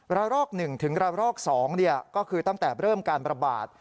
ระลอก๑ถึงระลอก๒ก็คือตั้งแต่เริ่มการประบาด